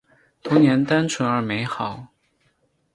童年单纯而美好